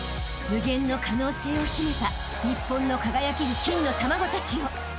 ［無限の可能性を秘めた日本の輝ける金の卵たちよ］